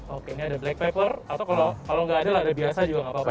oke ini ada black pepper atau kalau nggak ada lada biasa juga nggak apa apa